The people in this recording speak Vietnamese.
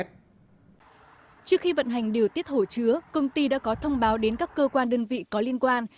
trước khi vận hành điều tiết hồ chứa công ty đã có thông báo đến các cơ quan đơn vị có liên quan